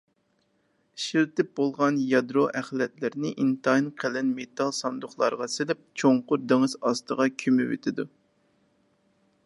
ئىشلىتىپ بولغان يادرو ئەخلەتلىرىنى ئىنتايىن قېلىن مېتال ساندۇقلارغا سېلىپ چوڭقۇر دېڭىز ئاستىغا كۆمۈۋېتىدۇ.